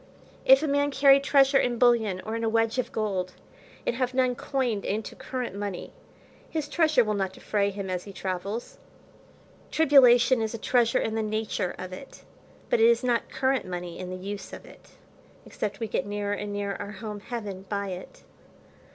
If a man carry treasure in bullion, or in a wedge of gold, and have none coined into current money, his treasure will not defray him as he travels. Tribulation is treasure in the nature of it, but it is not current money in the use of it, except we get nearer and nearer our home, heaven, by it.